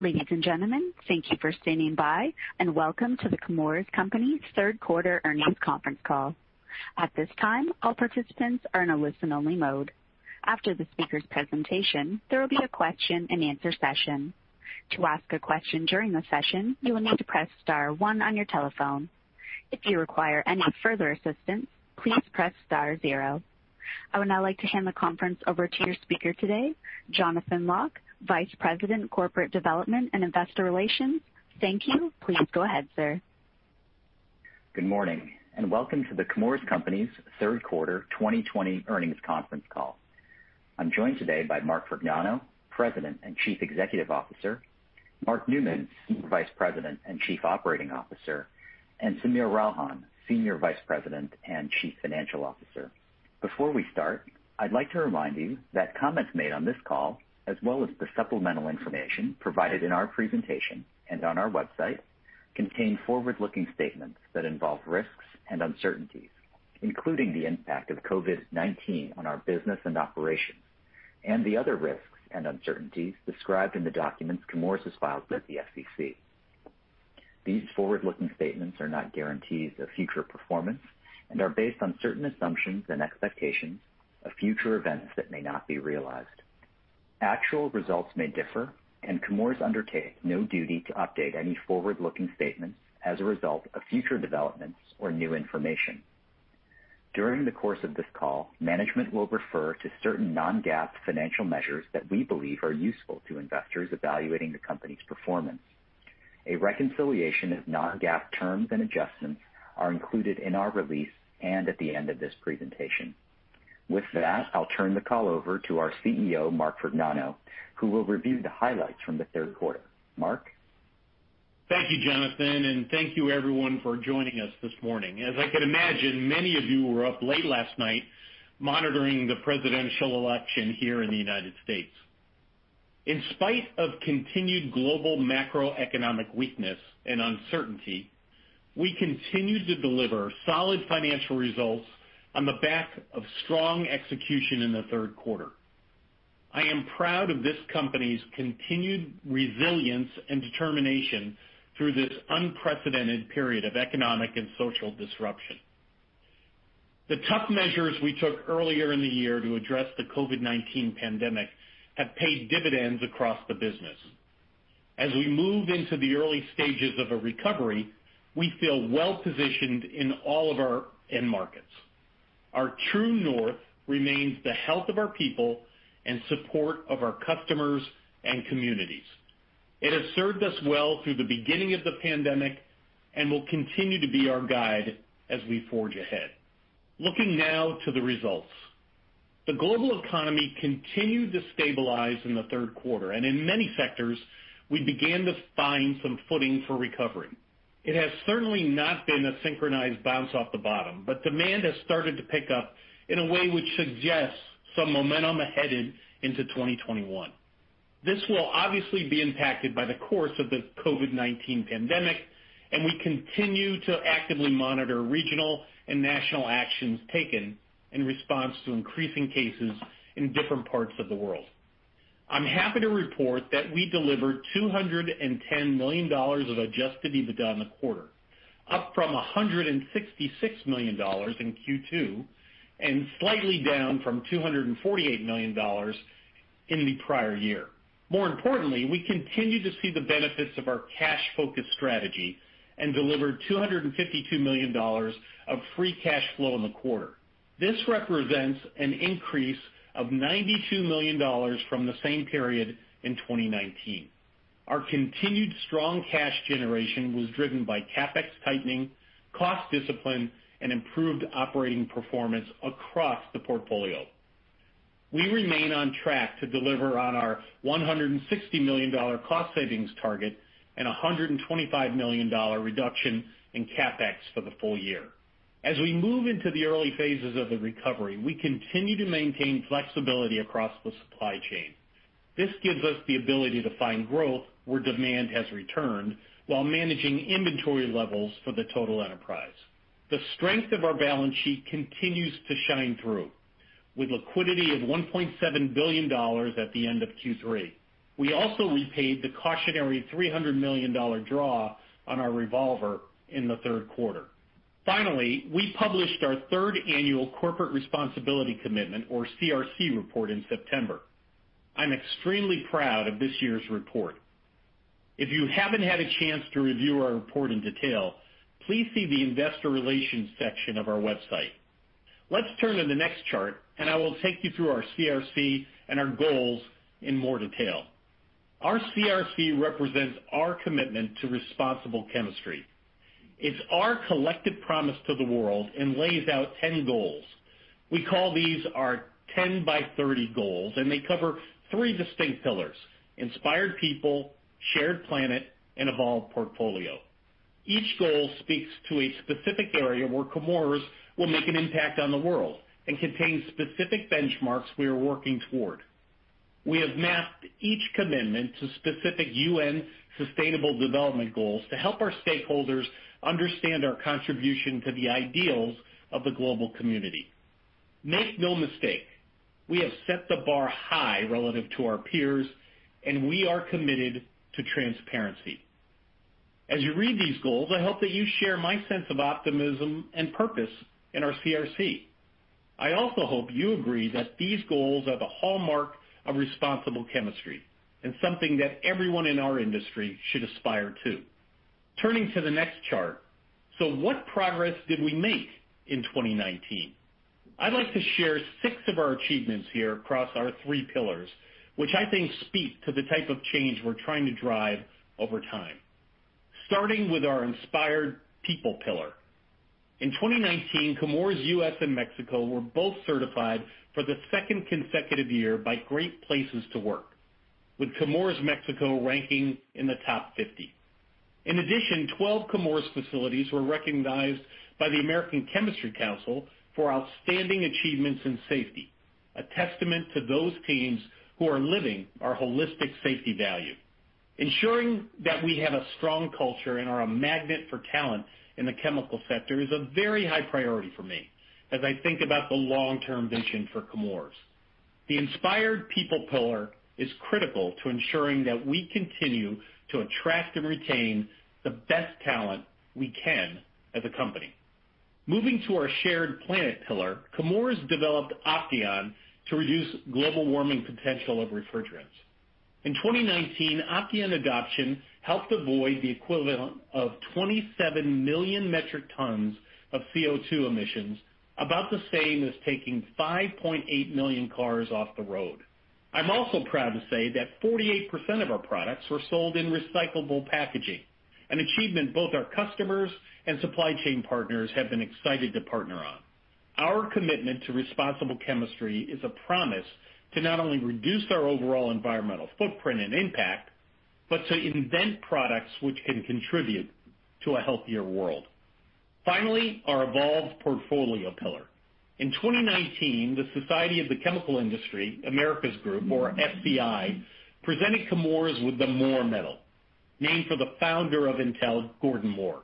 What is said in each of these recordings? Ladies and gentlemen, thank you for standing by, and welcome to The Chemours Company's third quarter earnings conference call. At this time all participants are only listen-only mode. After the speaker presentation there will be a question-and-answer session. To ask a question during the session please press star one on your telephone. If you require any further assistance please press star zero. I would now like to hand the conference over to your speaker today, Jonathan Lock, Vice President, Corporate Development and Investor Relations. Thank you. Please go ahead, sir. Good morning. Welcome to The Chemours Company's third quarter 2020 earnings conference call. I am joined today by Mark Vergnano, President and Chief Executive Officer; Mark Newman, Senior Vice President and Chief Operating Officer; and Sameer Ralhan, Senior Vice President and Chief Financial Officer. Before we start, I would like to remind you that comments made on this call, as well as the supplemental information provided in our presentation and on our website, contain forward-looking statements that involve risks and uncertainties, including the impact of COVID-19 on our business and operations, and the other risks and uncertainties described in the documents Chemours has filed with the SEC. These forward-looking statements are not guarantees of future performance and are based on certain assumptions and expectations of future events that may not be realized. Actual results may differ, and Chemours undertakes no duty to update any forward-looking statements as a result of future developments or new information. During the course of this call, management will refer to certain non-GAAP financial measures that we believe are useful to investors evaluating the company's performance. A reconciliation of non-GAAP terms and adjustments are included in our release and at the end of this presentation. With that, I'll turn the call over to our CEO, Mark Vergnano, who will review the highlights from the third quarter. Mark? Thank you, Jonathan, and thank you, everyone, for joining us this morning. As I can imagine, many of you were up late last night monitoring the presidential election here in the U.S. In spite of continued global macroeconomic weakness and uncertainty, we continued to deliver solid financial results on the back of strong execution in the third quarter. I am proud of this company's continued resilience and determination through this unprecedented period of economic and social disruption. The tough measures we took earlier in the year to address the COVID-19 pandemic have paid dividends across the business. As we move into the early stages of a recovery, we feel well-positioned in all of our end markets. Our true north remains the health of our people and support of our customers and communities. It has served us well through the beginning of the pandemic and will continue to be our guide as we forge ahead. Looking now to the results. The global economy continued to stabilize in the third quarter, and in many sectors, we began to find some footing for recovery. It has certainly not been a synchronized bounce off the bottom, but demand has started to pick up in a way which suggests some momentum ahead into 2021. This will obviously be impacted by the course of the COVID-19 pandemic, and we continue to actively monitor regional and national actions taken in response to increasing cases in different parts of the world. I'm happy to report that we delivered $210 million of adjusted EBITDA in the quarter, up from $166 million in Q2, and slightly down from $248 million in the prior year. More importantly, we continue to see the benefits of our cash-focused strategy and delivered $252 million of free cash flow in the quarter. This represents an increase of $92 million from the same period in 2019. Our continued strong cash generation was driven by CapEx tightening, cost discipline, and improved operating performance across the portfolio. We remain on track to deliver on our $160 million cost savings target and $125 million reduction in CapEx for the full year. As we move into the early phases of the recovery, we continue to maintain flexibility across the supply chain. This gives us the ability to find growth where demand has returned while managing inventory levels for the total enterprise. The strength of our balance sheet continues to shine through, with liquidity of $1.7 billion at the end of Q3. We also repaid the cautionary $300 million draw on our revolver in the third quarter. We published our third annual Corporate Responsibility Commitment, or CRC report, in September. I'm extremely proud of this year's report. If you haven't had a chance to review our report in detail, please see the investor relations section of our website. Let's turn to the next chart, and I will take you through our CRC and our goals in more detail. Our CRC represents our commitment to responsible chemistry. It's our collective promise to the world and lays out 10 goals. We call these our 10 by 30 goals, and they cover three distinct pillars: Inspired People, Shared Planet, and Evolved Portfolio. Each goal speaks to a specific area where Chemours will make an impact on the world and contains specific benchmarks we are working toward. We have mapped each commitment to specific UN Sustainable Development Goals to help our stakeholders understand our contribution to the ideals of the global community. Make no mistake, we have set the bar high relative to our peers, and we are committed to transparency. As you read these goals, I hope that you share my sense of optimism and purpose in our CRC. I also hope you agree that these goals are the hallmark of responsible chemistry and something that everyone in our industry should aspire to. Turning to the next chart, what progress did we make in 2019? I'd like to share six of our achievements here across our three pillars, which I think speak to the type of change we're trying to drive over time. Starting with our inspired people pillar. In 2019, Chemours U.S. and Mexico were both certified for the second consecutive year by Great Place to Work, with Chemours Mexico ranking in the top 50. In addition, 12 Chemours facilities were recognized by the American Chemistry Council for outstanding achievements in safety, a testament to those teams who are living our holistic safety value. Ensuring that we have a strong culture and are a magnet for talent in the chemical sector is a very high priority for me as I think about the long-term vision for Chemours. The inspired people pillar is critical to ensuring that we continue to attract and retain the best talent we can as a company. Moving to our shared planet pillar, Chemours developed Opteon to reduce global warming potential of refrigerants. In 2019, Opteon adoption helped avoid the equivalent of 27 million metric tons of CO2 emissions, about the same as taking 5.8 million cars off the road. I'm also proud to say that 48% of our products were sold in recyclable packaging, an achievement both our customers and supply chain partners have been excited to partner on. Our commitment to responsible chemistry is a promise to not only reduce our overall environmental footprint and impact, but to invent products which can contribute to a healthier world. Finally, our evolved portfolio pillar. In 2019, the Society of Chemical Industry, America Group, or SCI, presented Chemours with the Moore Medal, named for the Founder of Intel Corporation, Gordon Moore.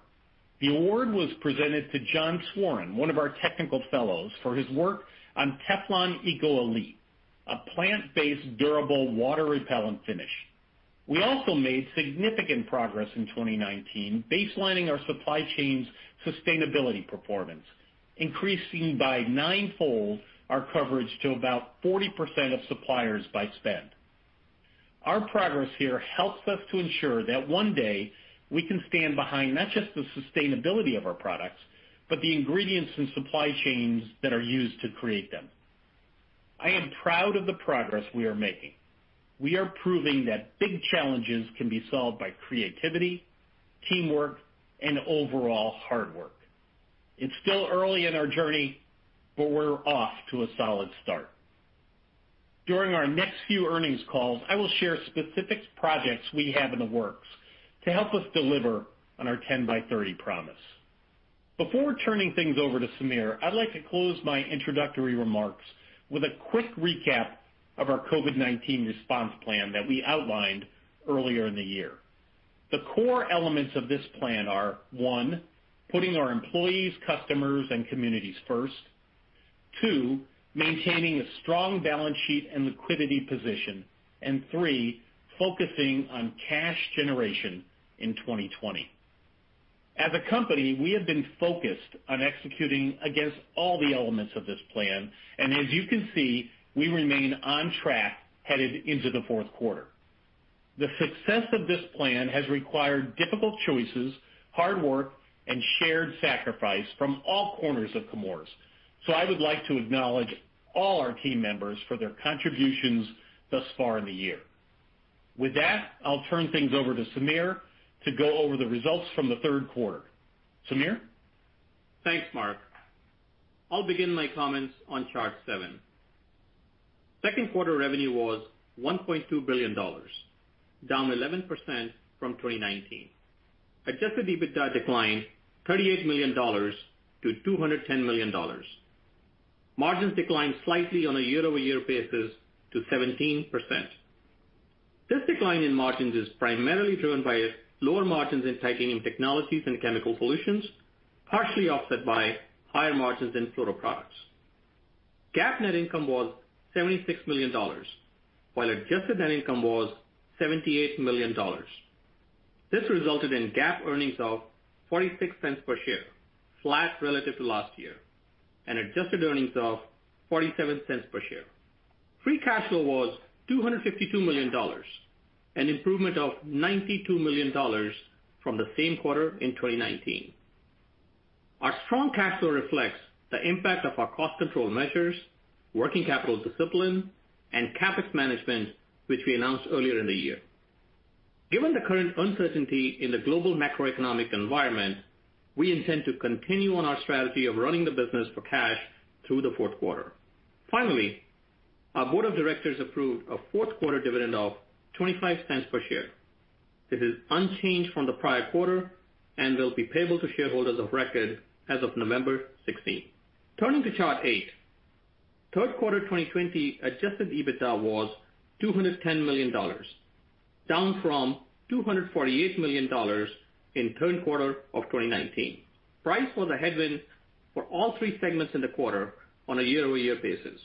The award was presented to John Sworen, one of our technical fellows, for his work on Teflon EcoElite, a plant-based, durable water repellent finish. We also made significant progress in 2019 baselining our supply chain's sustainability performance, increasing by ninefold our coverage to about 40% of suppliers by spend. Our progress here helps us to ensure that one day, we can stand behind not just the sustainability of our products, but the ingredients and supply chains that are used to create them. I am proud of the progress we are making. We are proving that big challenges can be solved by creativity, teamwork, and overall hard work. It's still early in our journey, but we're off to a solid start. During our next few earnings calls, I will share specific projects we have in the works to help us deliver on our 10 by 30 promise. Before turning things over to Sameer, I'd like to close my introductory remarks with a quick recap of our COVID-19 response plan that we outlined earlier in the year. The core elements of this plan are, one, putting our employees, customers, and communities first. Two, maintaining a strong balance sheet and liquidity position. Three, focusing on cash generation in 2020. As a company, we have been focused on executing against all the elements of this plan. As you can see, we remain on track headed into the fourth quarter. The success of this plan has required difficult choices, hard work, and shared sacrifice from all corners of Chemours. I would like to acknowledge all our team members for their contributions thus far in the year. With that, I'll turn things over to Sameer to go over the results from the third quarter. Sameer? Thanks, Mark. I'll begin my comments on chart seven. Second quarter revenue was $1.2 billion, down 11% from 2019. Adjusted EBITDA declined $38 million-$210 million. Margins declined slightly on a year-over-year basis to 17%. This decline in margins is primarily driven by lower margins in Titanium Technologies and Chemical Solutions, partially offset by higher margins in Fluoroproducts. GAAP net income was $76 million, while adjusted net income was $78 million. This resulted in GAAP earnings of $0.46 per share, flat relative to last year, and adjusted earnings of $0.47 per share. Free cash flow was $252 million, an improvement of $92 million from the same quarter in 2019. Our strong cash flow reflects the impact of our cost control measures, working capital discipline, and CapEx management, which we announced earlier in the year. Given the current uncertainty in the global macroeconomic environment, we intend to continue on our strategy of running the business for cash through the fourth quarter. Finally, our board of directors approved a fourth quarter dividend of $0.25 per share. This is unchanged from the prior quarter and will be payable to shareholders of record as of November 16th. Turning to chart eight. Third quarter 2020 adjusted EBITDA was $210 million. Down from $248 million in third quarter of 2019. Price was a headwind for all three segments in the quarter on a year-over-year basis.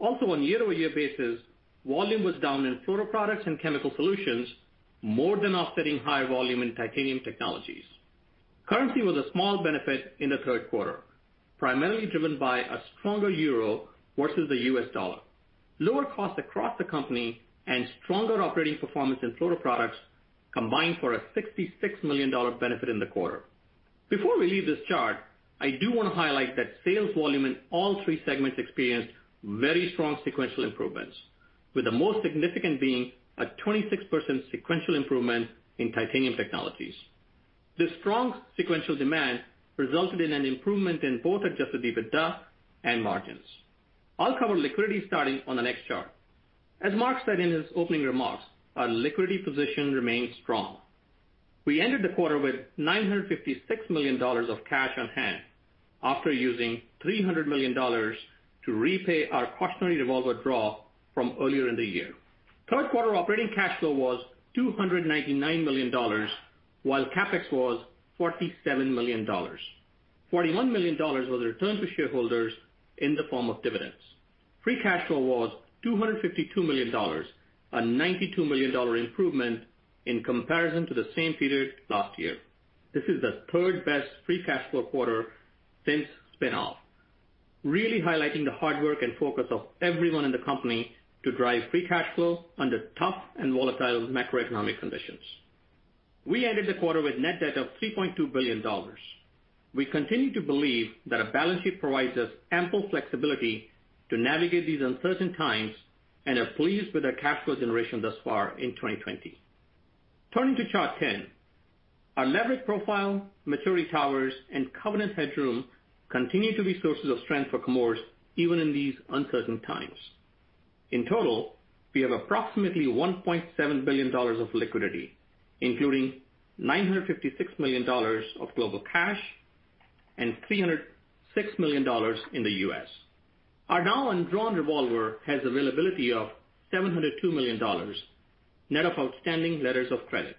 Also on a year-over-year basis, volume was down in Fluoroproducts and Chemical Solutions, more than offsetting higher volume in Titanium Technologies. Currency was a small benefit in the third quarter, primarily driven by a stronger euro versus the U.S. dollar. Lower cost across the company and stronger operating performance in Fluoroproducts combined for a $66 million benefit in the quarter. Before we leave this chart, I do want to highlight that sales volume in all three segments experienced very strong sequential improvements, with the most significant being a 26% sequential improvement in Titanium Technologies. This strong sequential demand resulted in an improvement in both adjusted EBITDA and margins. I'll cover liquidity starting on the next chart. As Mark said in his opening remarks, our liquidity position remains strong. We ended the quarter with $956 million of cash on hand after using $300 million to repay our cautionary revolver draw from earlier in the year. Third quarter operating cash flow was $299 million, while CapEx was $47 million. $41 million was returned to shareholders in the form of dividends. Free cash flow was $252 million, a $92 million improvement in comparison to the same period last year. This is the third-best free cash flow quarter since spin-off, really highlighting the hard work and focus of everyone in the company to drive free cash flow under tough and volatile macroeconomic conditions. We ended the quarter with net debt of $3.2 billion. We continue to believe that our balance sheet provides us ample flexibility to navigate these uncertain times and are pleased with our cash flow generation thus far in 2020. Turning to Chart 10. Our leverage profile, maturity towers, and covenant headroom continue to be sources of strength for Chemours, even in these uncertain times. In total, we have approximately $1.7 billion of liquidity, including $956 million of global cash and $306 million in the U.S. Our now undrawn revolver has availability of $702 million, net of outstanding letters of credit.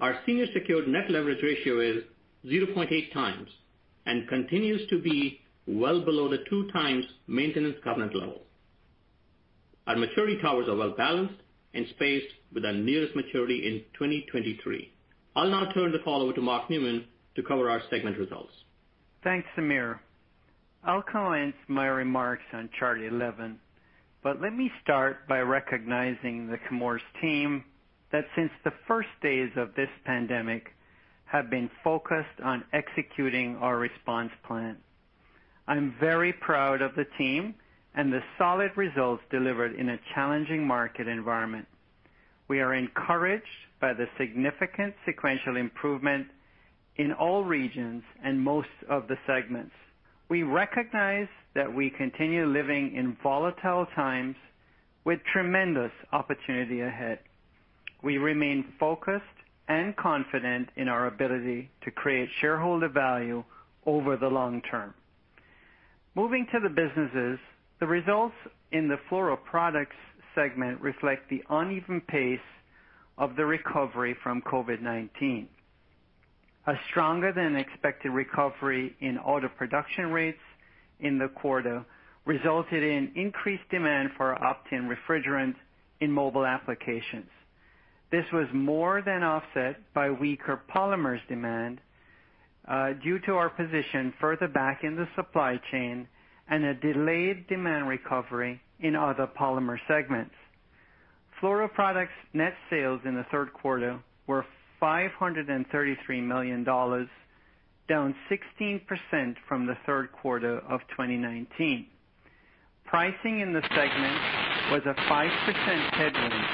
Our senior secured net leverage ratio is 0.8x and continues to be well below the 2x maintenance covenant level. Our maturity towers are well-balanced and spaced with our nearest maturity in 2023. I'll now turn the call over to Mark Newman to cover our segment results. Thanks, Sameer. I'll commence my remarks on Chart 11, let me start by recognizing the Chemours team that since the first days of this pandemic have been focused on executing our response plan. I'm very proud of the team and the solid results delivered in a challenging market environment. We are encouraged by the significant sequential improvement in all regions and most of the segments. We recognize that we continue living in volatile times with tremendous opportunity ahead. We remain focused and confident in our ability to create shareholder value over the long term. Moving to the businesses, the results in the Fluoroproducts segment reflect the uneven pace of the recovery from COVID-19. A stronger-than-expected recovery in auto production rates in the quarter resulted in increased demand for Opteon refrigerant in mobile applications. This was more than offset by weaker polymers demand due to our position further back in the supply chain and a delayed demand recovery in other polymer segments. Fluoroproducts net sales in the third quarter were $533 million, down 16% from the third quarter of 2019. Pricing in the segment was a 5% headwind,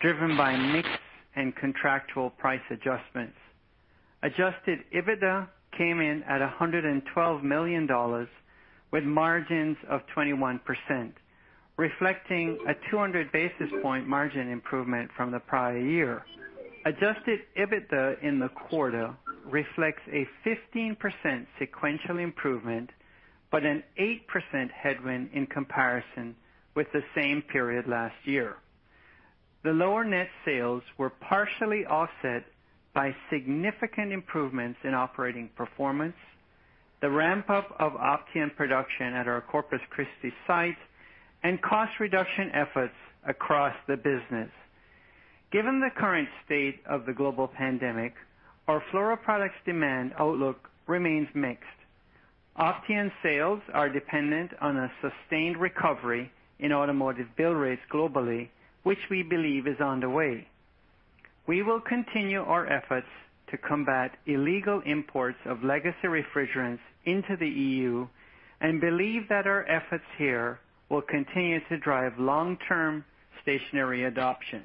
driven by mix and contractual price adjustments. Adjusted EBITDA came in at $112 million with margins of 21%, reflecting a 200 basis point margin improvement from the prior year. Adjusted EBITDA in the quarter reflects a 15% sequential improvement, but an 8% headwind in comparison with the same period last year. The lower net sales were partially offset by significant improvements in operating performance, the ramp-up of Opteon production at our Corpus Christi site, and cost reduction efforts across the business. Given the current state of the global pandemic, our Fluoroproducts demand outlook remains mixed. Opteon sales are dependent on a sustained recovery in automotive build rates globally, which we believe is on the way. We will continue our efforts to combat illegal imports of legacy refrigerants into the EU and believe that our efforts here will continue to drive long-term stationary adoption.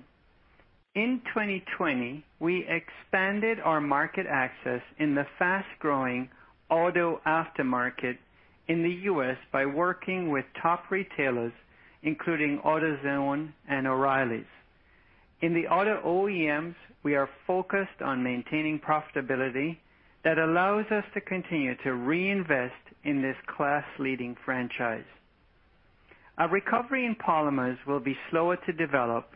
In 2020, we expanded our market access in the fast-growing auto aftermarket in the U.S. by working with top retailers, including AutoZone and O'Reilly's. In the auto OEMs, we are focused on maintaining profitability that allows us to continue to reinvest in this class-leading franchise. Our recovery in polymers will be slower to develop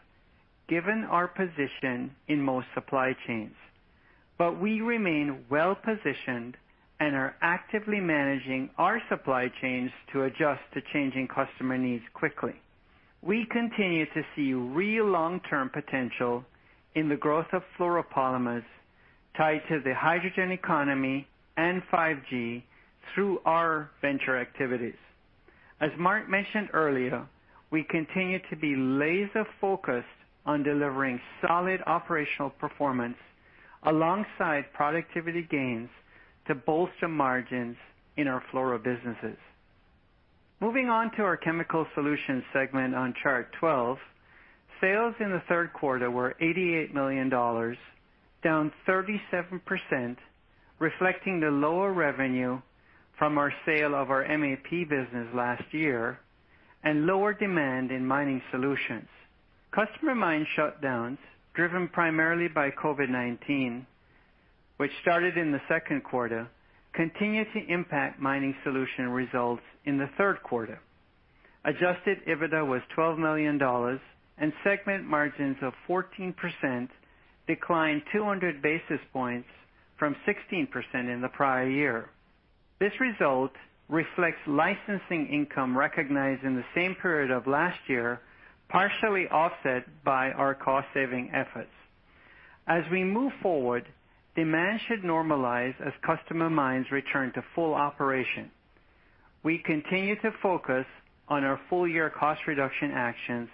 given our position in most supply chains. We remain well-positioned and are actively managing our supply chains to adjust to changing customer needs quickly. We continue to see real long-term potential in the growth of fluoropolymers tied to the hydrogen economy and 5G through our venture activities. As Mark mentioned earlier, we continue to be laser-focused on delivering solid operational performance alongside productivity gains to bolster margins in our fluoro businesses. Moving on to our Chemical Solutions segment on Chart 12. Sales in the third quarter were $88 million, down 37%, reflecting the lower revenue from our sale of our MAP business last year and lower demand in mining solutions. Customer mine shutdowns, driven primarily by COVID-19, which started in the second quarter, continued to impact mining solution results in the third quarter. Adjusted EBITDA was $12 million and segment margins of 14% declined 200 basis points from 16% in the prior year. This result reflects licensing income recognized in the same period of last year, partially offset by our cost-saving efforts. As we move forward, demand should normalize as customer mines return to full operation. We continue to focus on our full-year cost reduction actions,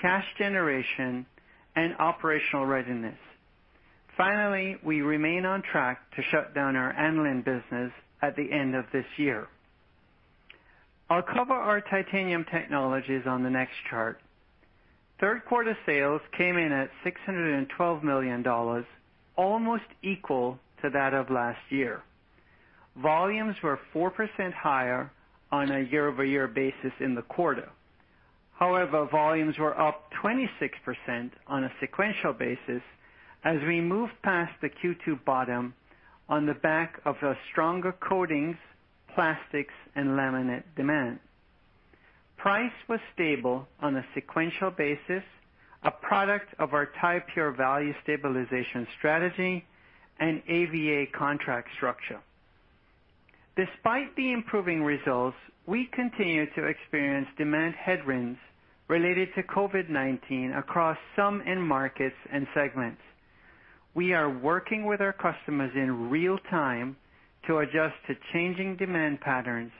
cash generation, and operational readiness. We remain on track to shut down our aniline business at the end of this year. I'll cover our Titanium Technologies on the next chart. Third quarter sales came in at $612 million, almost equal to that of last year. Volumes were 4% higher on a year-over-year basis in the quarter. Volumes were up 26% on a sequential basis as we moved past the Q2 bottom on the back of the stronger coatings, plastics, and laminate demand. Price was stable on a sequential basis, a product of our Ti-Pure value stabilization strategy and AVA contract structure. Despite the improving results, we continue to experience demand headwinds related to COVID-19 across some end markets and segments. We are working with our customers in real time to adjust to changing demand patterns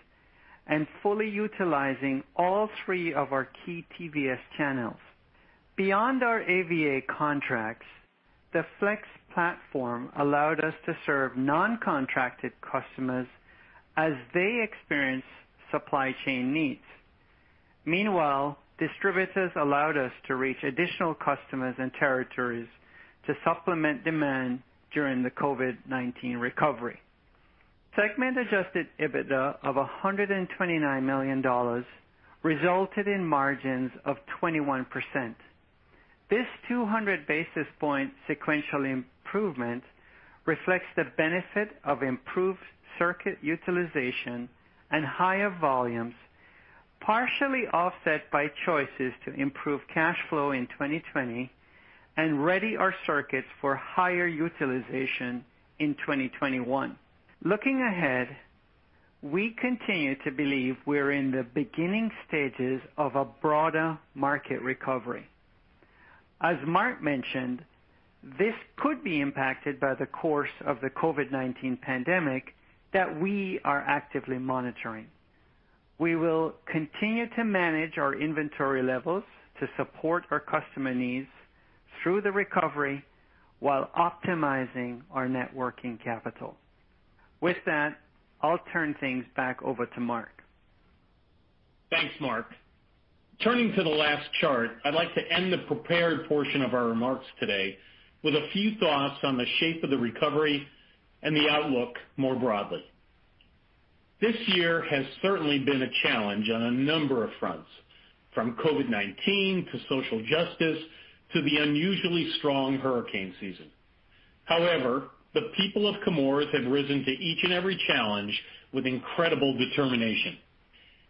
and fully utilizing all three of our key TVS channels. Beyond our AVA contracts, the Flex platform allowed us to serve non-contracted customers as they experience supply chain needs. Meanwhile, distributors allowed us to reach additional customers and territories to supplement demand during the COVID-19 recovery. Segment adjusted EBITDA of $129 million resulted in margins of 21%. This 200 basis points sequential improvement reflects the benefit of improved circuit utilization and higher volumes, partially offset by choices to improve cash flow in 2020 and ready our circuits for higher utilization in 2021. Looking ahead, we continue to believe we are in the beginning stages of a broader market recovery. As Mark mentioned, this could be impacted by the course of the COVID-19 pandemic that we are actively monitoring. We will continue to manage our inventory levels to support our customer needs through the recovery while optimizing our net working capital. With that, I'll turn things back over to Mark. Thanks, Mark. Turning to the last chart, I'd like to end the prepared portion of our remarks today with a few thoughts on the shape of the recovery and the outlook more broadly. This year has certainly been a challenge on a number of fronts, from COVID-19 to social justice to the unusually strong hurricane season. However, the people of Chemours have risen to each and every challenge with incredible determination.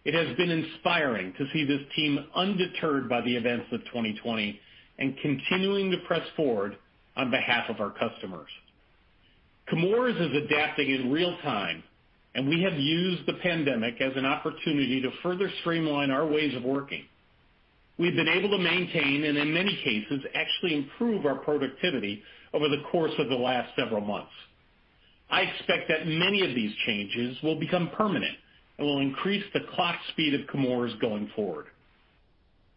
It has been inspiring to see this team undeterred by the events of 2020 and continuing to press forward on behalf of our customers. Chemours is adapting in real time, and we have used the pandemic as an opportunity to further streamline our ways of working. We've been able to maintain, and in many cases, actually improve our productivity over the course of the last several months. I expect that many of these changes will become permanent and will increase the clock speed of Chemours going forward.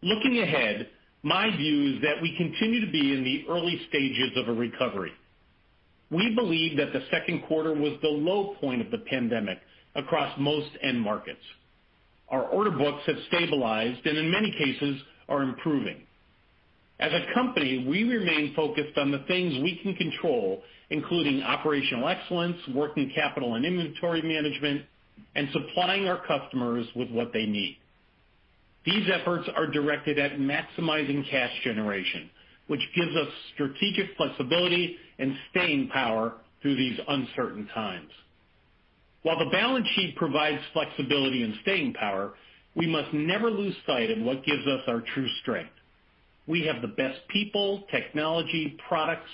Looking ahead, my view is that we continue to be in the early stages of a recovery. We believe that the second quarter was the low point of the pandemic across most end markets. Our order books have stabilized, and in many cases are improving. As a company, we remain focused on the things we can control, including operational excellence, working capital and inventory management, and supplying our customers with what they need. These efforts are directed at maximizing cash generation, which gives us strategic flexibility and staying power through these uncertain times. While the balance sheet provides flexibility and staying power, we must never lose sight of what gives us our true strength. We have the best people, technology, products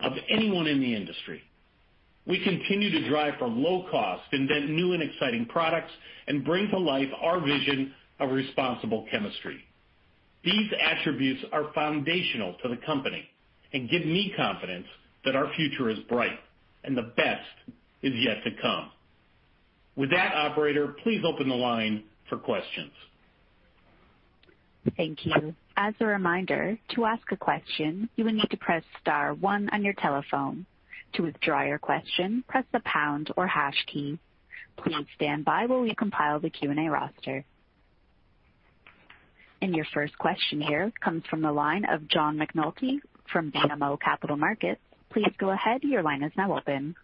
of anyone in the industry. We continue to drive for low cost, invent new and exciting products, and bring to life our vision of responsible chemistry. These attributes are foundational to the company and give me confidence that our future is bright and the best is yet to come. With that, operator, please open the line for questions. Thank you. As a reminder to ask a question you need to press star one on your telephone. To withdraw your question press the pound or hash key. Please standby while we compile the Q&A roster. Your first question here comes from the line of John McNulty from BMO Capital Markets. Please go ahead. Your line is now open.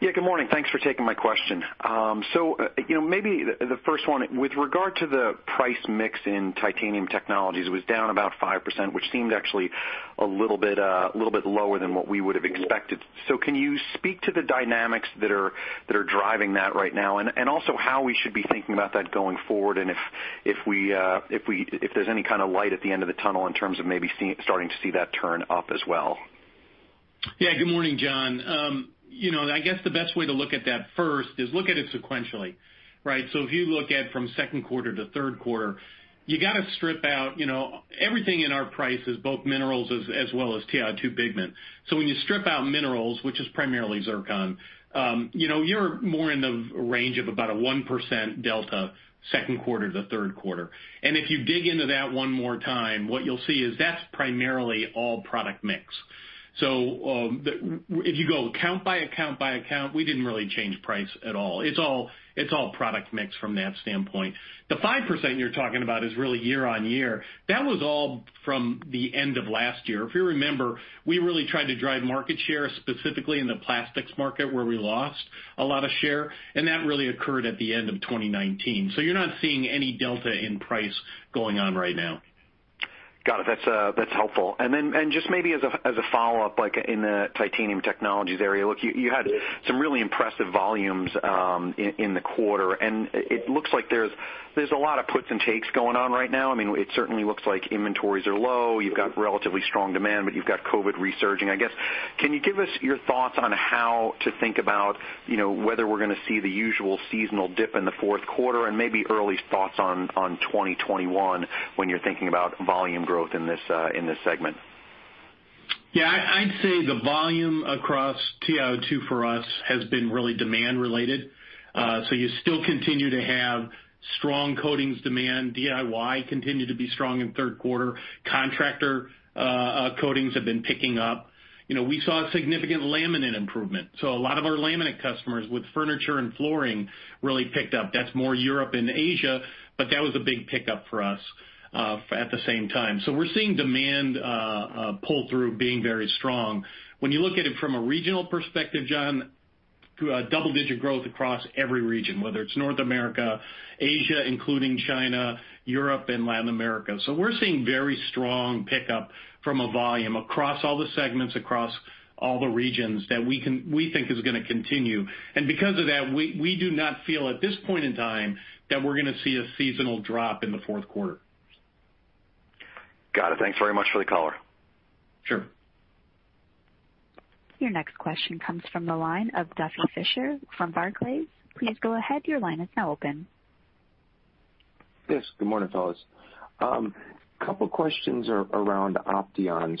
Good morning. Thanks for taking my question. Maybe the first one, with regard to the price mix in Titanium Technologies was down about 5%, which seemed actually a little bit lower than what we would have expected. Can you speak to the dynamics that are driving that right now, and also how we should be thinking about that going forward, and if there's any kind of light at the end of the tunnel in terms of maybe starting to see that turn up as well? Good morning, John. I guess the best way to look at that first is look at it sequentially, right? If you look at from second quarter to third quarter, you got to strip out everything in our price is both minerals as well as TiO2 pigment. When you strip out minerals, which is primarily zircon, you're more in the range of about a 1% delta second quarter to third quarter. If you dig into that one more time, what you'll see is that's primarily all product mix. If you go account by account by account, we didn't really change price at all. It's all product mix from that standpoint. The 5% you're talking about is really year-on-year. That was all from the end of last year. If you remember, we really tried to drive market share, specifically in the plastics market, where we lost a lot of share, and that really occurred at the end of 2019. You're not seeing any delta in price going on right now. Got it. That's helpful. Just maybe as a follow-up, like in the Titanium Technologies area, look, you had some really impressive volumes in the quarter, and it looks like there's a lot of puts and takes going on right now. It certainly looks like inventories are low. You've got relatively strong demand, but you've got COVID-19 resurging. I guess, can you give us your thoughts on how to think about whether we're going to see the usual seasonal dip in the fourth quarter and maybe early thoughts on 2021 when you're thinking about volume growth in this segment? Yeah. I'd say the volume across TiO2 for us has been really demand related. You still continue to have strong coatings demand. DIY continued to be strong in third quarter. Contractor coatings have been picking up. We saw a significant laminate improvement, so a lot of our laminate customers with furniture and flooring really picked up. That's more Europe than Asia, but that was a big pickup for us at the same time. We're seeing demand pull-through being very strong. When you look at it from a regional perspective, John, double-digit growth across every region, whether it's North America, Asia, including China, Europe, and Latin America. We're seeing very strong pickup from a volume across all the segments, across all the regions that we think is going to continue. Because of that, we do not feel at this point in time that we're going to see a seasonal drop in the fourth quarter. Got it. Thanks very much for the color. Sure. Your next question comes from the line of Duffy Fischer from Barclays. Please go ahead. Your line is now open. Yes. Good morning, fellas. Couple questions around Opteon.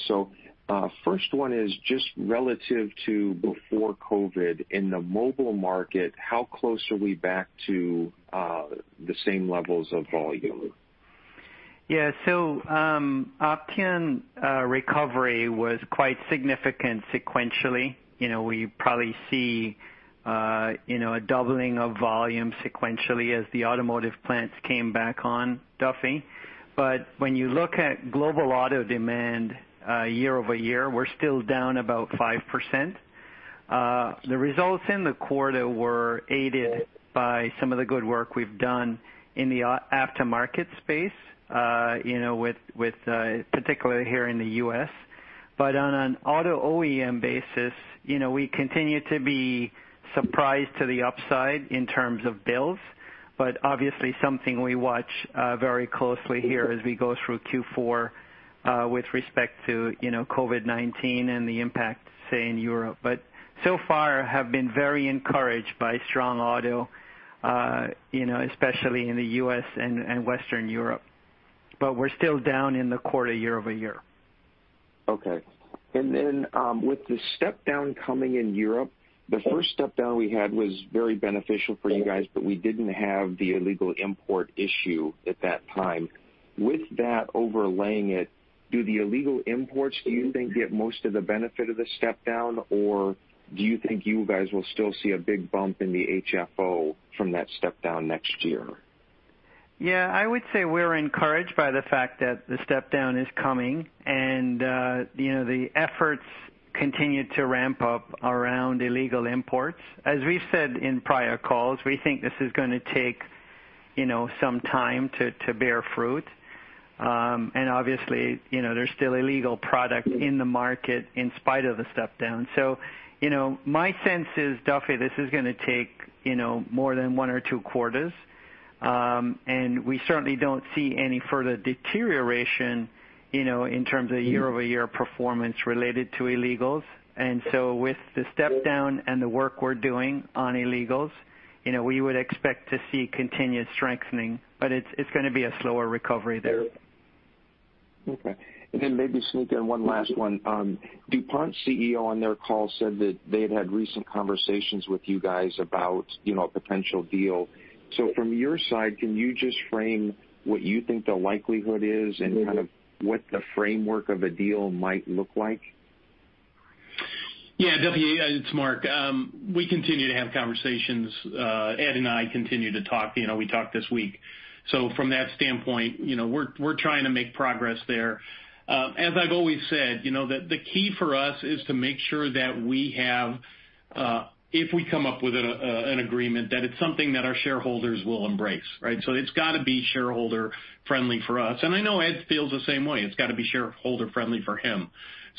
First one is just relative to before COVID in the mobile market, how close are we back to the same levels of volume? Opteon recovery was quite significant sequentially. We probably see a doubling of volume sequentially as the automotive plants came back on, Duffy. When you look at global auto demand year-over-year, we're still down about 5%. The results in the quarter were aided by some of the good work we've done in the aftermarket space particularly here in the U.S. On an auto OEM basis, we continue to be surprised to the upside in terms of bills. Obviously something we watch very closely here as we go through Q4 with respect to COVID-19 and the impact, say, in Europe. So far have been very encouraged by strong auto especially in the U.S. and Western Europe. We're still down in the quarter year-over-year. Okay. With the step down coming in Europe, the first step down we had was very beneficial for you guys, but we didn't have the illegal import issue at that time. With that overlaying it, do the illegal imports, do you think, get most of the benefit of the step down, or do you think you guys will still see a big bump in the HFO from that step down next year? Yeah. I would say we're encouraged by the fact that the step down is coming and the efforts continue to ramp up around illegal imports. As we've said in prior calls, we think this is going to take. Some time to bear fruit. Obviously, there's still illegal product in the market in spite of the step-down. My sense is, Duffy, this is going to take more than one or two quarters. We certainly don't see any further deterioration in terms of year-over-year performance related to illegals. With the step-down and the work we're doing on illegals, we would expect to see continued strengthening. It's going to be a slower recovery there. Okay. Maybe sneak in one last one. DuPont's CEO on their call said that they had had recent conversations with you guys about a potential deal. From your side, can you just frame what you think the likelihood is and kind of what the framework of a deal might look like? Yeah. Duffy, it's Mark. We continue to have conversations. Ed and I continue to talk. We talked this week. From that standpoint, we're trying to make progress there. As I've always said, the key for us is to make sure that we have, if we come up with an agreement, that it's something that our shareholders will embrace, right? It's got to be shareholder friendly for us. I know Ed feels the same way. It's got to be shareholder friendly for him.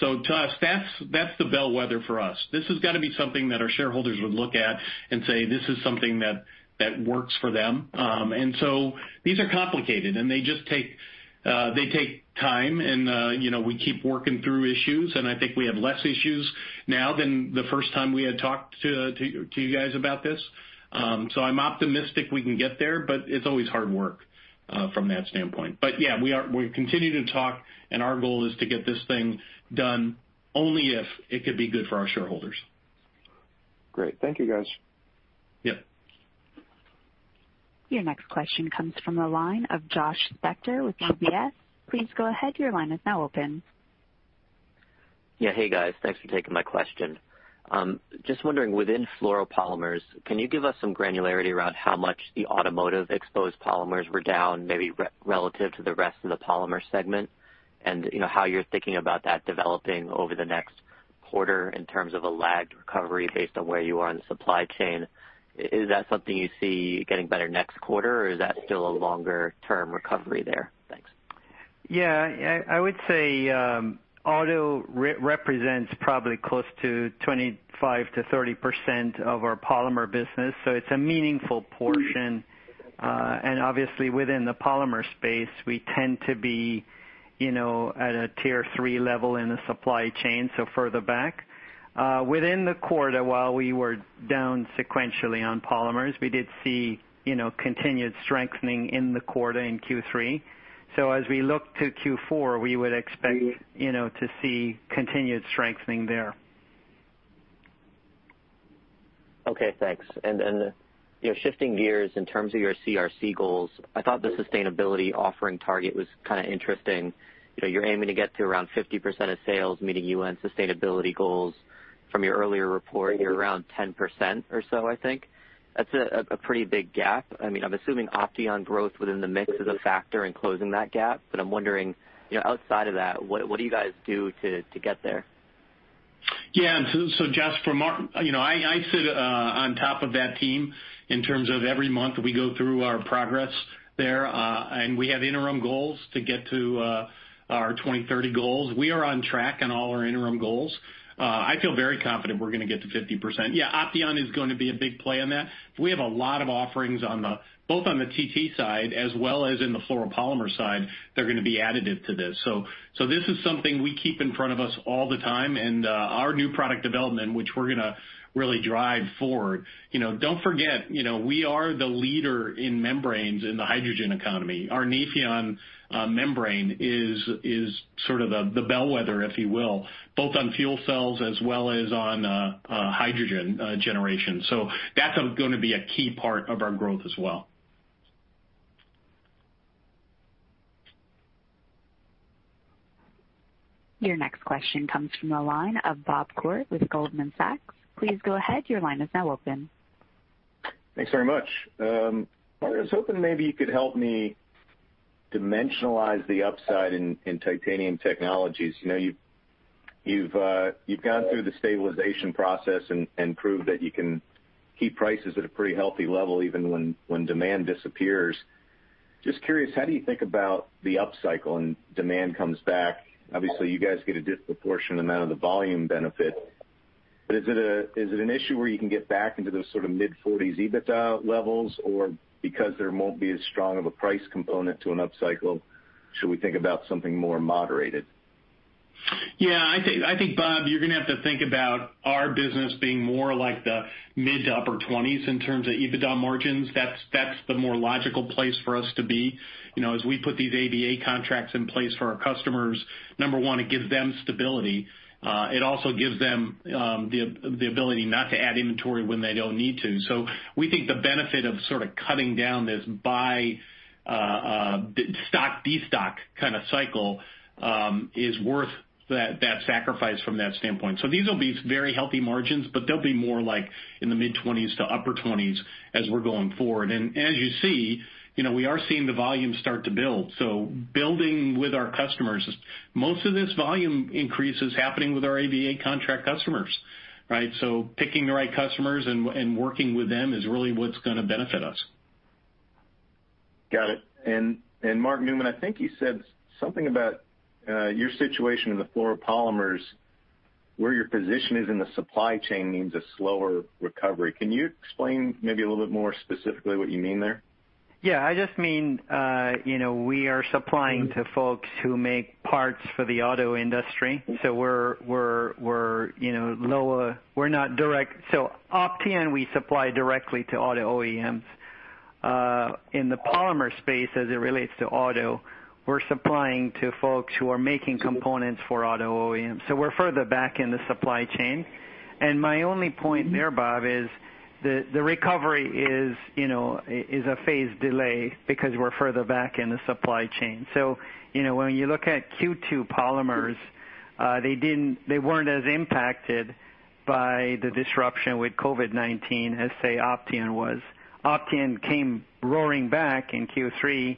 To us, that's the bellwether for us. This has got to be something that our shareholders would look at and say, this is something that works for them. These are complicated, and they take time, and we keep working through issues, and I think we have less issues now than the first time we had talked to you guys about this. I'm optimistic we can get there, but it's always hard work from that standpoint. Yeah, we continue to talk, and our goal is to get this thing done only if it could be good for our shareholders. Great. Thank you, guys. Yep. Your next question comes from the line of Josh Spector with UBS. Please go ahead. Your line is now open. Yeah. Hey, guys. Thanks for taking my question. Just wondering, within fluoropolymers, can you give us some granularity around how much the automotive exposed polymers were down, maybe relative to the rest of the polymer segment? How you're thinking about that developing over the next quarter in terms of a lagged recovery based on where you are in the supply chain. Is that something you see getting better next quarter, or is that still a longer-term recovery there? Thanks. Yeah. I would say auto represents probably close to 25%-30% of our polymer business, so it's a meaningful portion. Obviously within the polymer space, we tend to be at a Tier three level in the supply chain, so further back. Within the quarter, while we were down sequentially on polymers, we did see continued strengthening in the quarter in Q3. As we look to Q4, we would expect to see continued strengthening there. Okay, thanks. Then shifting gears in terms of your CRC goals, I thought the sustainability offering target was kind of interesting. You're aiming to get to around 50% of sales meeting UN Sustainable Development Goals. From your earlier report, you're around 10% or so, I think. That's a pretty big gap. I'm assuming Opteon growth within the mix is a factor in closing that gap. I'm wondering, outside of that, what do you guys do to get there? Yeah. Josh, I sit on top of that team in terms of every month we go through our progress there. We have interim goals to get to our 2030 goals. We are on track on all our interim goals. I feel very confident we're going to get to 50%. Yeah, Opteon is going to be a big play in that. We have a lot of offerings both on the TT side as well as in the fluoropolymer side that are going to be additive to this. This is something we keep in front of us all the time, and our new product development, which we're going to really drive forward. Don't forget, we are the leader in membranes in the hydrogen economy. Our Nafion membrane is sort of the bellwether, if you will, both on fuel cells as well as on hydrogen generation. That's going to be a key part of our growth as well. Your next question comes from the line of Bob Koort with Goldman Sachs. Please go ahead. Your line is now open. Thanks very much. I was hoping maybe you could help me dimensionalize the upside in Titanium Technologies. You've gone through the stabilization process and proved that you can keep prices at a pretty healthy level even when demand disappears. Just curious, how do you think about the upcycle and demand comes back? Obviously, you guys get a disproportionate amount of the volume benefit, but is it an issue where you can get back into those sort of mid-40s EBITDA levels? Or because there won't be as strong of a price component to an upcycle, should we think about something more moderated? I think, Bob, you're going to have to think about our business being more like the mid-20s to upper 20s in terms of EBITDA margins. That's the more logical place for us to be. As we put these AVA contracts in place for our customers, number one, it gives them stability. It also gives them the ability not to add inventory when they don't need to. We think the benefit of sort of cutting down this buy, stock, destock kind of cycle is worth that sacrifice from that standpoint. These will be very healthy margins, but they'll be more like in the mid-20s to upper 20s as we're going forward. As you see, we are seeing the volume start to build. Building with our customers. Most of this volume increase is happening with our AVA contract customers, right? Picking the right customers and working with them is really what's going to benefit us. Got it. Mark Newman, I think you said something about your situation in the fluoropolymers, where your position is in the supply chain means a slower recovery. Can you explain maybe a little bit more specifically what you mean there? Yeah. I just mean we are supplying to folks who make parts for the auto industry. Opteon we supply directly to auto OEMs. In the polymer space, as it relates to auto, we're supplying to folks who are making components for auto OEMs. We're further back in the supply chain. My only point there, Bob, is the recovery is a phase delay because we're further back in the supply chain. When you look at Q2 polymers, they weren't as impacted by the disruption with COVID-19 as, say, Opteon was. Opteon came roaring back in Q3,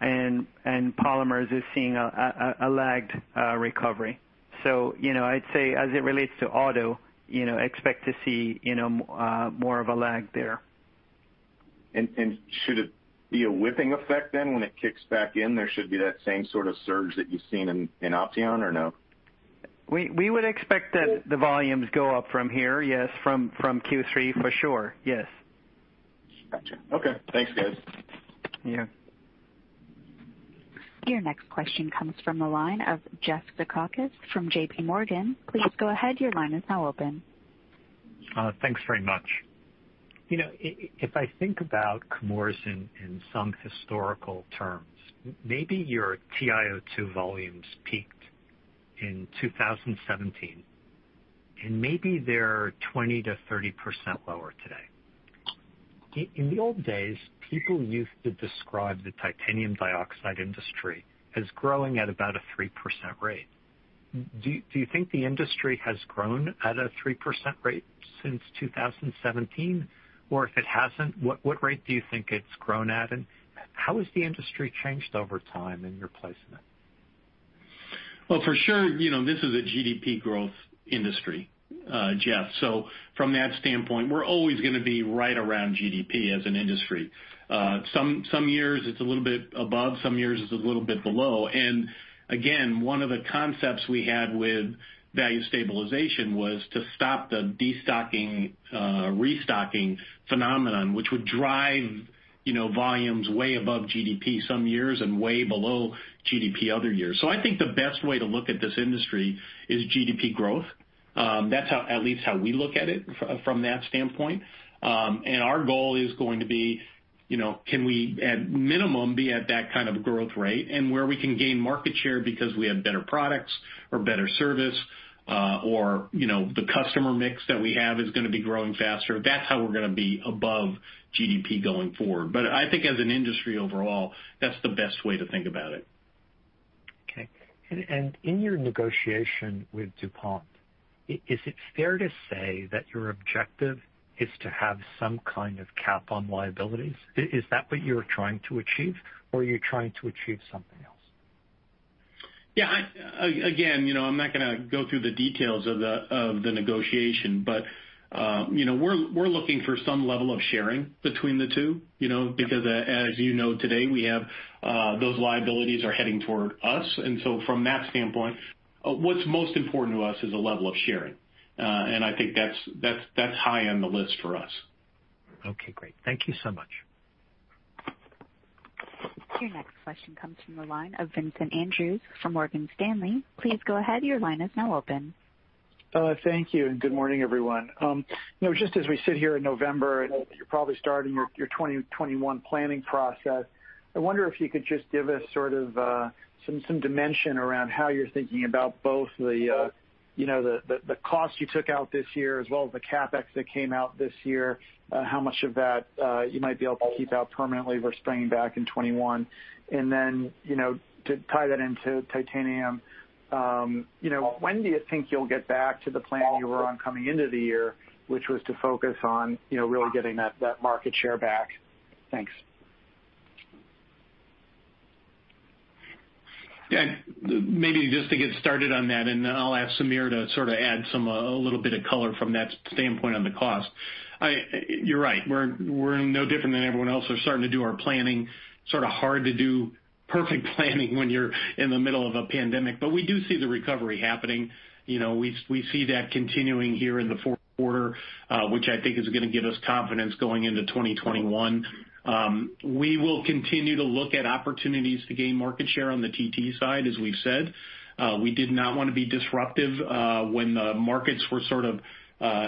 and polymers is seeing a lagged recovery. I'd say as it relates to auto, expect to see more of a lag there. Should it be a whipping effect then when it kicks back in? There should be that same sort of surge that you've seen in Opteon, or no? We would expect that the volumes go up from here, yes. From Q3, for sure. Yes. Gotcha. Okay. Thanks, guys. Yeah. Your next question comes from the line of Jeff Zekauskas from JPMorgan. Please go ahead, your line is now open. Thanks very much. If I think about Chemours in some historical terms, maybe your TiO2 volumes peaked in 2017, and maybe they're 20%-30% lower today. In the old days, people used to describe the titanium dioxide industry as growing at about a 3% rate. Do you think the industry has grown at a 3% rate since 2017? If it hasn't, what rate do you think it's grown at, and how has the industry changed over time in your placement? For sure, this is a GDP growth industry, Jeff. From that standpoint, we're always going to be right around GDP as an industry. Some years it's a little bit above, some years it's a little bit below. Again, one of the concepts we had with value stabilization was to stop the destocking, restocking phenomenon, which would drive volumes way above GDP some years and way below GDP other years. I think the best way to look at this industry is GDP growth. That's at least how we look at it from that standpoint. Our goal is going to be, can we at minimum be at that kind of growth rate and where we can gain market share because we have better products or better service, or the customer mix that we have is going to be growing faster. That's how we're going to be above GDP going forward. I think as an industry overall, that's the best way to think about it. Okay. In your negotiation with DuPont, is it fair to say that your objective is to have some kind of cap on liabilities? Is that what you're trying to achieve, or are you trying to achieve something else? Yeah. Again, I'm not going to go through the details of the negotiation, but we're looking for some level of sharing between the two. Because as you know today, those liabilities are heading toward us. From that standpoint, what's most important to us is a level of sharing. I think that's high on the list for us. Okay, great. Thank you so much. Your next question comes from the line of Vincent Andrews from Morgan Stanley. Please go ahead, your line is now open. Thank you, and good morning, everyone. Just as we sit here in November, and you're probably starting your 2021 planning process, I wonder if you could just give us some dimension around how you're thinking about both the cost you took out this year as well as the CapEx that came out this year. How much of that you might be able to keep out permanently versus bringing back in 2021? To tie that into titanium, when do you think you'll get back to the plan you were on coming into the year, which was to focus on really getting that market share back? Thanks. Yeah. Maybe just to get started on that, and then I'll ask Sameer to add a little bit of color from that standpoint on the cost. You're right. We're no different than everyone else. We're starting to do our planning. Sort of hard to do perfect planning when you're in the middle of a pandemic. We do see the recovery happening. We see that continuing here in the fourth quarter, which I think is going to give us confidence going into 2021. We will continue to look at opportunities to gain market share on the TT side, as we've said. We did not want to be disruptive when the markets were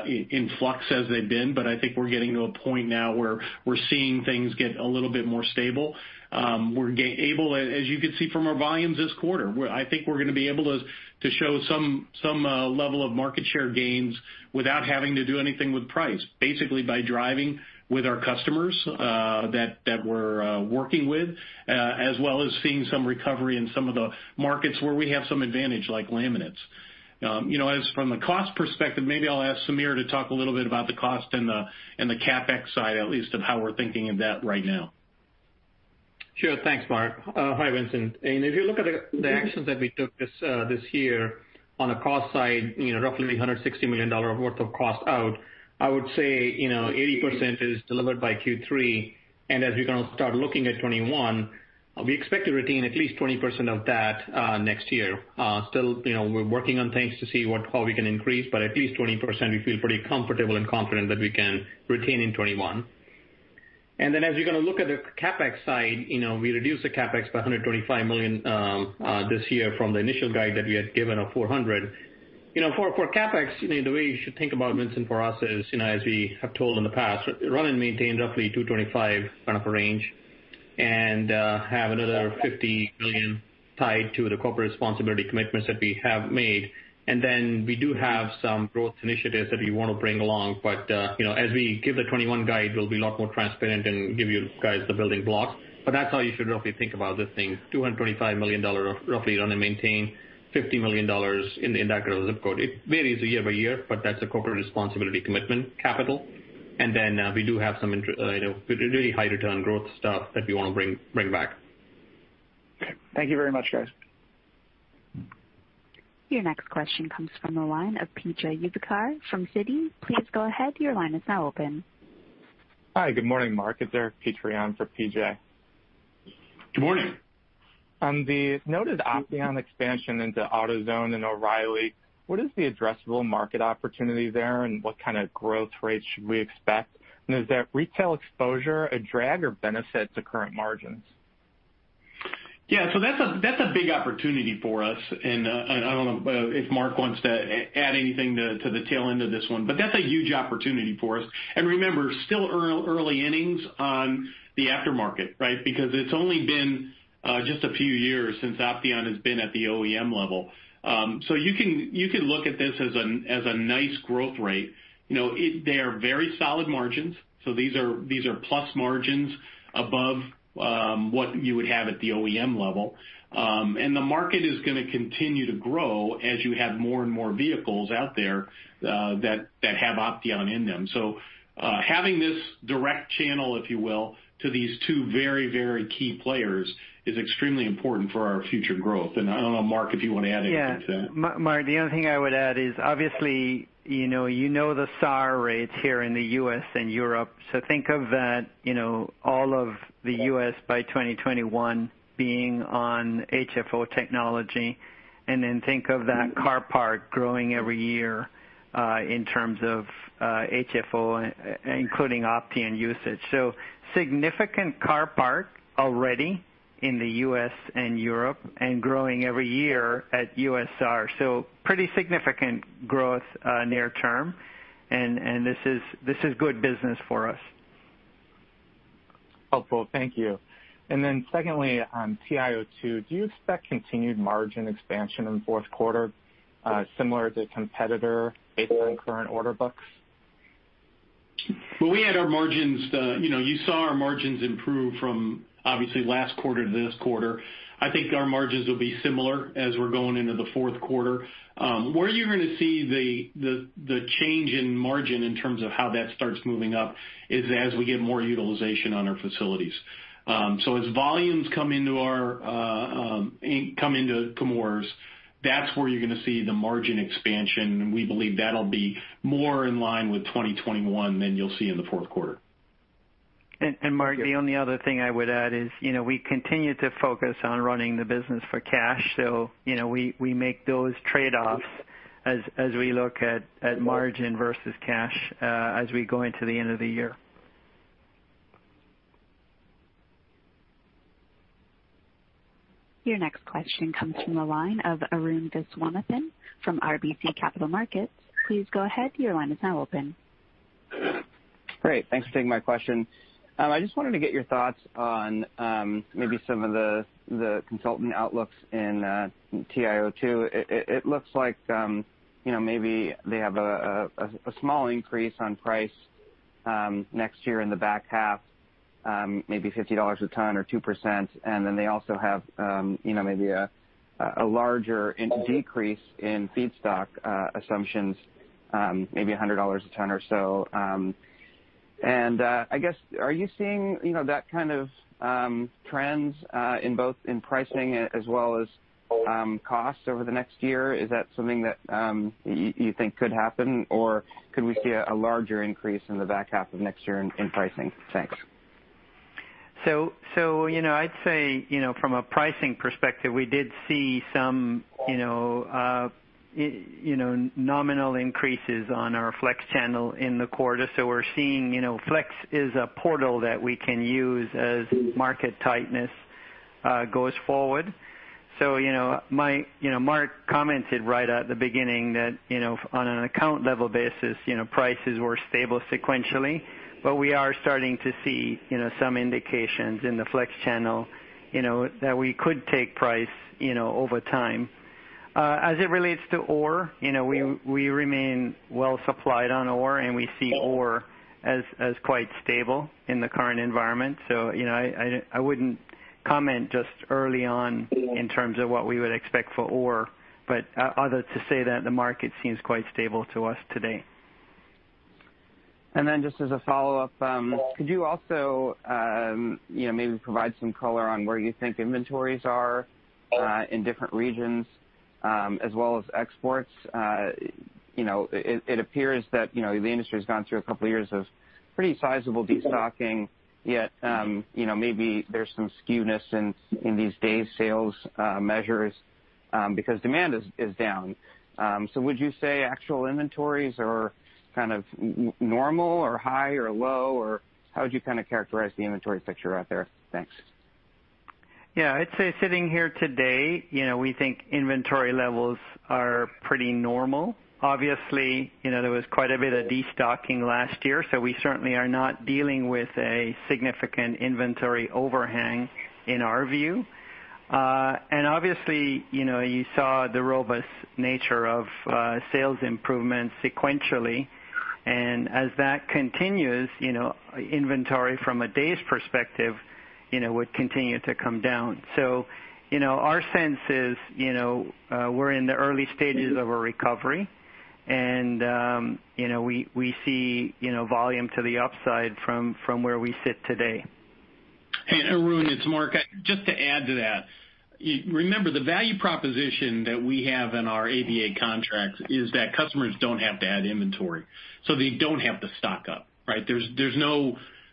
in flux as they've been. I think we're getting to a point now where we're seeing things get a little bit more stable. As you can see from our volumes this quarter, I think we're going to be able to show some level of market share gains without having to do anything with price. Basically by driving with our customers that we're working with, as well as seeing some recovery in some of the markets where we have some advantage, like laminates. As from a cost perspective, maybe I'll ask Sameer to talk a little bit about the cost and the CapEx side, at least of how we're thinking of that right now. Sure. Thanks, Mark. Hi, Vincent. If you look at the actions that we took this year on the cost side, roughly $160 million worth of cost out, I would say 80% is delivered by Q3. As we start looking at 2021, we expect to retain at least 20% of that next year. Still, we're working on things to see how we can increase, but at least 20%, we feel pretty comfortable and confident that we can retain in 2021. As you're going to look at the CapEx side, we reduced the CapEx by $125 million this year from the initial guide that we had given of $400 million. For CapEx, the way you should think about it, Vincent, for us is, as we have told in the past, run and maintain roughly a $225 kind of a range and have another $50 million tied to the corporate responsibility commitments that we have made. We do have some growth initiatives that we want to bring along. As we give the 2021 guide, we'll be a lot more transparent and give you guys the building blocks. That's how you should roughly think about this thing, $225 million roughly run and maintain, $50 million in that zip code. It varies year-by-year, but that's a corporate responsibility commitment capital. We do have some really high return growth stuff that we want to bring back. Okay. Thank you very much, guys. Your next question comes from the line of P.J. Juvekar from Citi. Please go ahead. Hi. Good morning, Mark. It's Eric Petrie for P.J. Good morning. On the noted Opteon expansion into AutoZone and O'Reilly, what is the addressable market opportunity there and what kind of growth rate should we expect? Is that retail exposure a drag or benefit to current margins? Yeah. That's a big opportunity for us. I don't know if Mark wants to add anything to the tail end of this one. That's a huge opportunity for us. Remember, still early innings on the aftermarket, right? It's only been just a few years since Opteon has been at the OEM level. You can look at this as a nice growth rate. They are very solid margins. These are plus margins above what you would have at the OEM level. The market is going to continue to grow as you have more and more vehicles out there that have Opteon in them. Having this direct channel, if you will, to these two very, very key players is extremely important for our future growth. I don't know, Mark, if you want to add anything to that. Mark, the only thing I would add is obviously, you know the SAAR rates here in the U.S. and Europe. Think of that, all of the U.S. by 2021 being on HFO technology, and then think of that car part growing every year in terms of HFO, including Opteon usage. Significant car part already in the U.S. and Europe and growing every year at [USR]. Pretty significant growth near term, and this is good business for us. Helpful. Thank you. Secondly, on TiO2, do you expect continued margin expansion in fourth quarter similar to competitor based on current order books? You saw our margins improve from obviously last quarter to this quarter. I think our margins will be similar as we're going into the fourth quarter. Where you're going to see the change in margin in terms of how that starts moving up is as we get more utilization on our facilities. As volumes come into Chemours, that's where you're going to see the margin expansion, and we believe that'll be more in line with 2021 than you'll see in the fourth quarter. Mark, the only other thing I would add is, we continue to focus on running the business for cash. We make those trade-offs as we look at margin versus cash as we go into the end of the year. Your next question comes from the line of Arun Viswanathan from RBC Capital Markets. Please go ahead. Your line is now open. Great. Thanks for taking my question. I just wanted to get your thoughts on maybe some of the consultant outlooks in TiO2. It looks like maybe they have a small increase on price next year in the back half, maybe $50 a ton or 2%, and then they also have maybe a larger decrease in feedstock assumptions, maybe $100 a ton or so. I guess, are you seeing that kind of trends in both in pricing as well as cost over the next year? Is that something that you think could happen, or could we see a larger increase in the back half of next year in pricing? Thanks. I'd say from a pricing perspective, we did see some nominal increases on our Flex channel in the quarter. We're seeing Flex is a portal that we can use as market tightness goes forward. Mark commented right at the beginning that on an account level basis prices were stable sequentially, but we are starting to see some indications in the Flex channel that we could take price over time. As it relates to ore we remain well supplied on ore, and we see ore as quite stable in the current environment. I wouldn't comment just early on in terms of what we would expect for ore, but other to say that the market seems quite stable to us today. Then just as a follow-up, could you also maybe provide some color on where you think inventories are in different regions as well as exports? It appears that the industry's gone through a couple of years of pretty sizable de-stocking, yet maybe there's some skewness in these days sales measures because demand is down. Would you say actual inventories are kind of normal or high or low, or how would you kind of characterize the inventory picture out there? Thanks. Yeah. I'd say sitting here today, we think inventory levels are pretty normal. Obviously, there was quite a bit of de-stocking last year, so we certainly are not dealing with a significant inventory overhang in our view. Obviously, you saw the robust nature of sales improvements sequentially, and as that continues, inventory from a days perspective would continue to come down. Our sense is, we're in the early stages of a recovery and we see volume to the upside from where we sit today. Hey, Arun, it's Mark. Just to add to that, remember the value proposition that we have in our AVA contracts is that customers don't have to add inventory, so they don't have to stock up, right?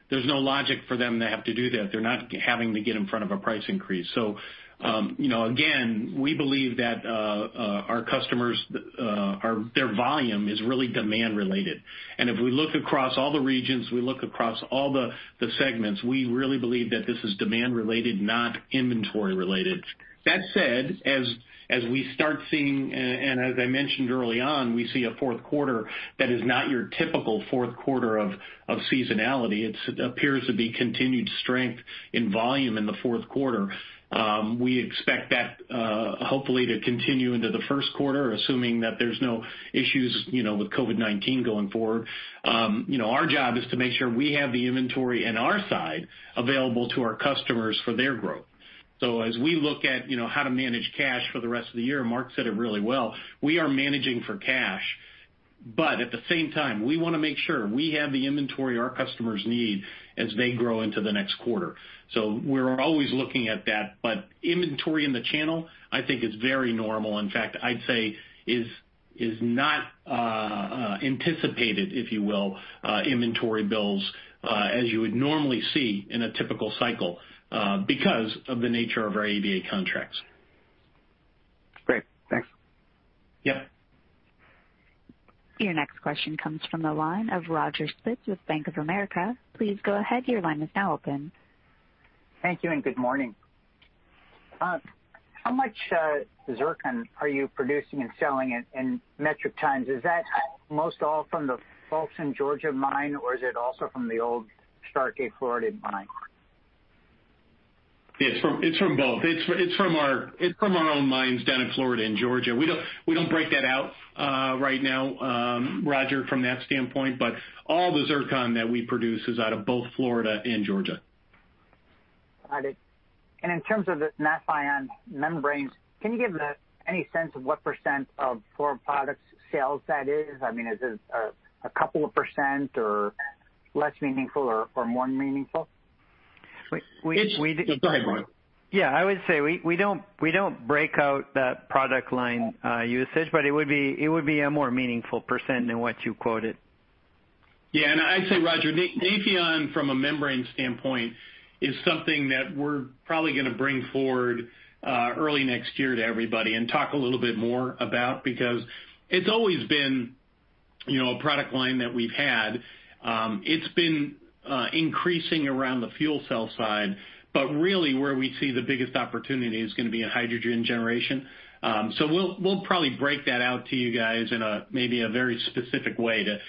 There's no logic for them to have to do that. They're not having to get in front of a price increase. Again, we believe that our customers, their volume is really demand related. If we look across all the regions, we look across all the segments, we really believe that this is demand related, not inventory related. That said, as we start seeing, and as I mentioned early on, we see a fourth quarter that is not your typical fourth quarter of seasonality. It appears to be continued strength in volume in the fourth quarter. We expect that hopefully to continue into the first quarter, assuming that there's no issues with COVID-19 going forward. Our job is to make sure we have the inventory in our side available to our customers for their growth. As we look at how to manage cash for the rest of the year, Mark said it really well, we are managing for cash, but at the same time, we want to make sure we have the inventory our customers need as they grow into the next quarter. We're always looking at that. Inventory in the channel, I think, is very normal. In fact, I'd say is not anticipated, if you will, inventory bills, as you would normally see in a typical cycle, because of the nature of our AVA contracts. Great. Thanks. Yep. Your next question comes from the line of Roger Spitz with Bank of America. Please go ahead. Thank you and good morning. How much zircon are you producing and selling in metric tons? Is that most all from the Folkston Georgia mine or is it also from the old Starke, Florida mine? It's from both. It's from our own mines down in Florida and Georgia. We don't break that out right now, Roger, from that standpoint, but all the zircon that we produce is out of both Florida and Georgia. Got it. In terms of the Nafion membranes, can you give any sense of what percent of core products sales that is? I mean, is it a 2% or less meaningful or more meaningful? We- It-- Sorry Mark. Yeah, I would say we don't break out that product line usage, but it would be a more meaningful percent than what you quoted. Yeah. I'd say, Roger, Nafion from a membrane standpoint is something that we're probably going to bring forward early next year to everybody and talk a little bit more about, because it's always been a product line that we've had. It's been increasing around the fuel cell side, but really where we see the biggest opportunity is going to be in hydrogen generation. We'll probably break that out to you guys in maybe a very specific way to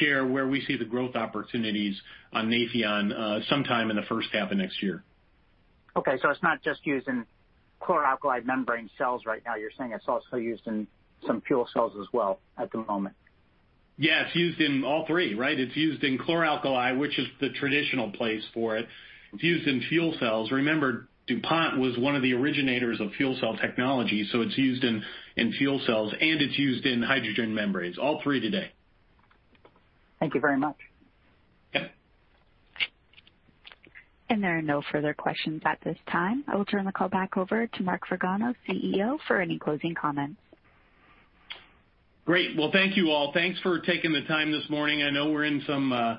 share where we see the growth opportunities on Nafion sometime in the first half of next year. Okay, it's not just used in chlor-alkali membrane cells right now. You're saying it's also used in some fuel cells as well at the moment? It's used in all three, right? It's used in chlor-alkali, which is the traditional place for it. It's used in fuel cells. Remember, DuPont was one of the originators of fuel cell technology, so it's used in fuel cells, and it's used in hydrogen membranes. All three today. Thank you very much. Yep. There are no further questions at this time. I will turn the call back over to Mark Vergnano, CEO, for any closing comments. Great. Well, thank you all. Thanks for taking the time this morning. I know we're in some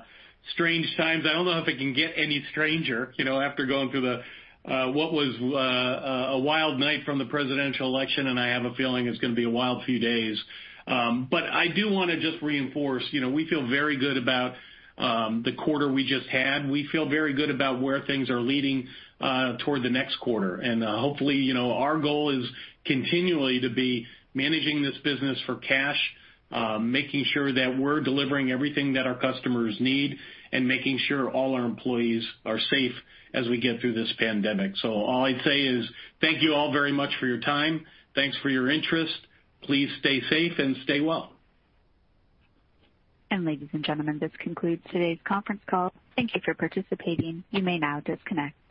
strange times. I don't know if it can get any stranger, after going through what was a wild night from the presidential election, and I have a feeling it's going to be a wild few days. I do want to just reinforce, we feel very good about the quarter we just had. We feel very good about where things are leading toward the next quarter. Hopefully, our goal is continually to be managing this business for cash, making sure that we're delivering everything that our customers need, and making sure all our employees are safe as we get through this pandemic. All I'd say is thank you all very much for your time. Thanks for your interest. Please stay safe and stay well. Ladies and gentlemen, this concludes today's conference call. Thank you for participating. You may now disconnect.